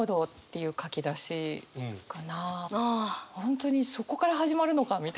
本当にそこから始まるのかみたいな。